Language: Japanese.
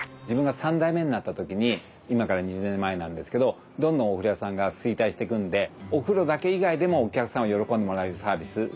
自分が３代目になった時に今から２０年前なんですけどどんどんお風呂屋さんが衰退していくんでお風呂だけ以外でもお客さんが喜んでもらえるサービス